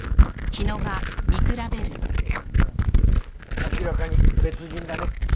明らかに別人だね。